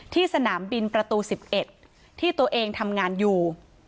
สนามบินประตู๑๑ที่ตัวเองทำงานอยู่